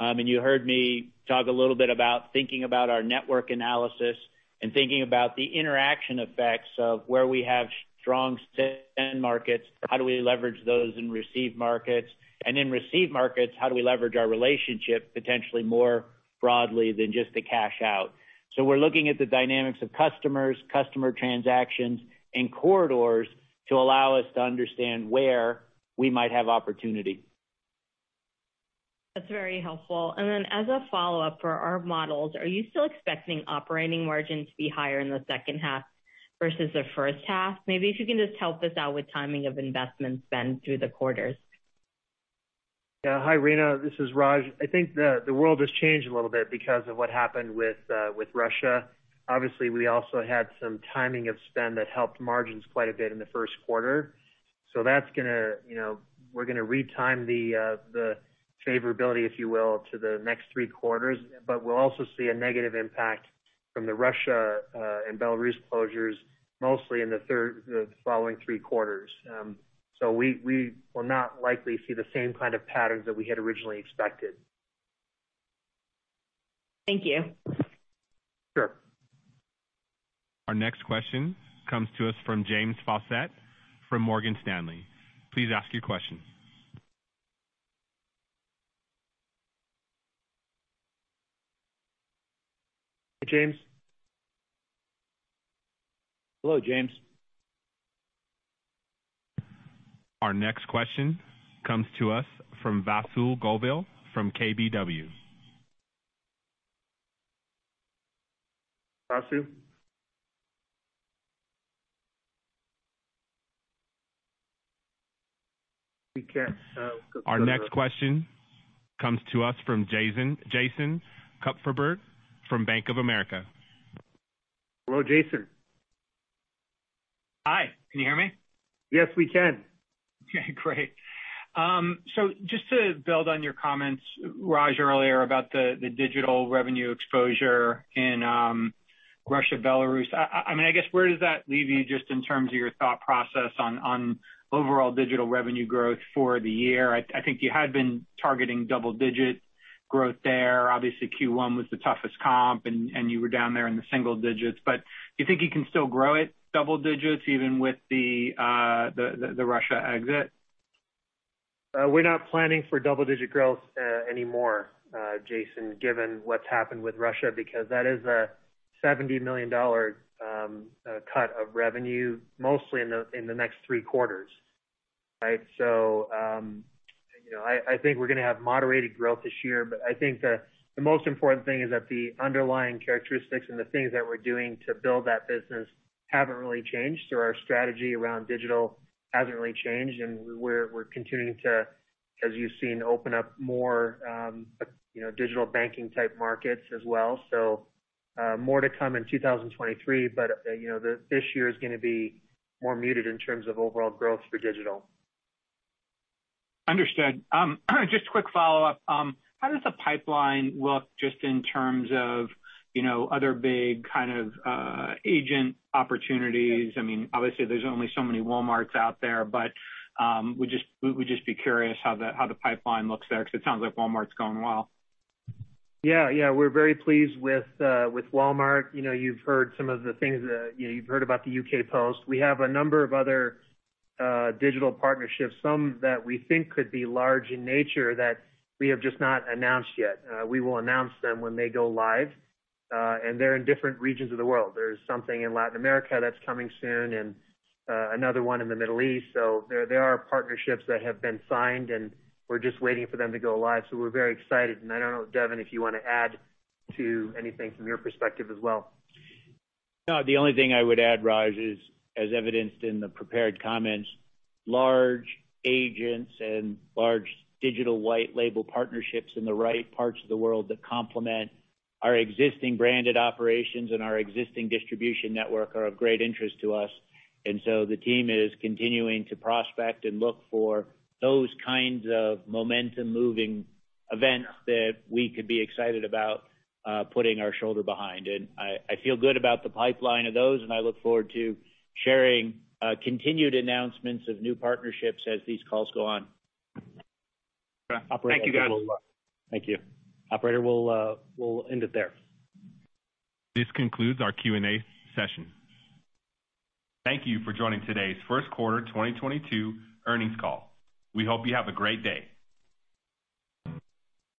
You heard me talk a little bit about thinking about our network analysis and thinking about the interaction effects of where we have strong send markets, how do we leverage those in receive markets? In receive markets, how do we leverage our relationship potentially more broadly than just the cash out? We're looking at the dynamics of customers, customer transactions, and corridors to allow us to understand where we might have opportunity. That's very helpful. As a follow-up for our models, are you still expecting operating margin to be higher in the second half versus the first half? Maybe if you can just help us out with timing of investment spend through the quarters. Yeah. Hi, Rayna. This is Raj. I think the world has changed a little bit because of what happened with Russia. Obviously, we also had some timing of spend that helped margins quite a bit in the first quarter. That's gonna, you know, we're gonna retime the favorability, if you will, to the next three quarters. But we'll also see a negative impact from the Russia and Belarus closures mostly in the following three quarters. So we will not likely see the same kind of patterns that we had originally expected. Thank you. Sure. Our next question comes to us from James Faucette from Morgan Stanley. Please ask your question. Hi, James. Hello, James. Our next question comes to us from Vasundhara Govil from KBW. Pass through. Our next question comes to us from Jason Kupferberg from Bank of America. Hello, Jason. Hi, can you hear me? Yes, we can. Okay, great. Just to build on your comments, Raj, earlier about the digital revenue exposure in Russia, Belarus. I mean, I guess where does that leave you just in terms of your thought process on overall digital revenue growth for the year? I think you had been targeting double digit growth there. Obviously, Q1 was the toughest comp and you were down there in the single digits. Do you think you can still grow it double digits even with the Russia exit? We're not planning for double-digit growth anymore, Jason, given what's happened with Russia because that is a $70 million cut of revenue mostly in the next three quarters, right? You know, I think we're gonna have moderated growth this year, but I think the most important thing is that the underlying characteristics and the things that we're doing to build that business haven't really changed. Our strategy around digital hasn't really changed, and we're continuing to, as you've seen, open up more, you know, digital banking type markets as well. More to come in 2023, but you know, this year is gonna be more muted in terms of overall growth for digital. Understood. Just a quick follow-up. How does the pipeline look just in terms of, you know, other big kind of agent opportunities? I mean, obviously there's only so many Walmarts out there, but we would just be curious how the pipeline looks there 'cause it sounds like Walmart's going well. We're very pleased with Walmart. You know, you've heard some of the things. You know, you've heard about the UK Post. We have a number of other digital partnerships, some that we think could be large in nature that we have just not announced yet. We will announce them when they go live, and they're in different regions of the world. There's something in Latin America that's coming soon and another one in the Middle East. There are partnerships that have been signed, and we're just waiting for them to go live. We're very excited. I don't know, Devin, if you wanna add to anything from your perspective as well. No, the only thing I would add, Raj, is as evidenced in the prepared comments, large agents and large digital white label partnerships in the right parts of the world that complement our existing branded operations and our existing distribution network are of great interest to us. The team is continuing to prospect and look for those kinds of momentum moving events that we could be excited about putting our shoulder behind. I feel good about the pipeline of those, and I look forward to sharing continued announcements of new partnerships as these calls go on. Okay. Thank you, guys. Thank you. Operator, we'll end it there. This concludes our Q&A session. Thank you for joining today's first quarter 2022 earnings call. We hope you have a great day.